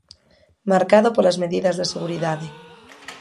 Marcado polas medidas de seguridade.